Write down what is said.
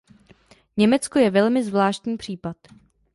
Německo je velmi zvláštní případ.